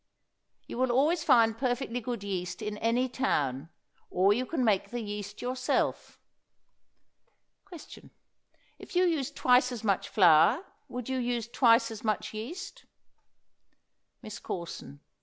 You will always find perfectly good yeast in any town, or you can make the yeast yourself. Question. If you use twice as much flour would you use twice as much yeast? MISS CORSON.